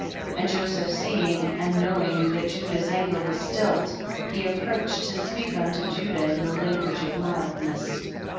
55. And Joseph seeing and know ing that Judah's anger was stilled, he approached to speak unto Judah in the language of mildness.